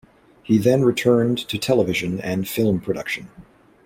He then returned to television and film production.